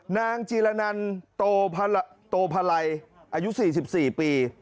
นางจีรนันโตพลัยอายุ๔๔ปี